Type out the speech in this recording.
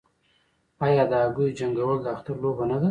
آیا د هګیو جنګول د اختر لوبه نه ده؟